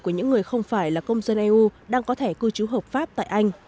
của những người không phải là công dân eu đang có thể cư trú hợp pháp tại anh